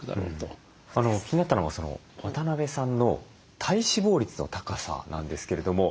気になったのが渡邊さんの体脂肪率の高さなんですけれども。